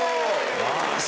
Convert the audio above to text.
よし。